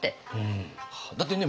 だってね